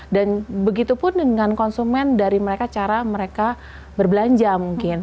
dan begitu pun dengan konsumen dari cara mereka berbelanja mungkin